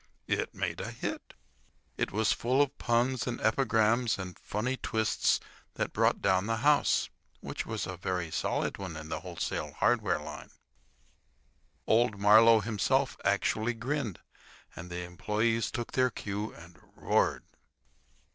It made a hit. It was full of puns and epigrams and funny twists that brought down the house—which was a very solid one in the wholesale hardware line. Old Marlowe himself actually grinned, and the employees took their cue and roared.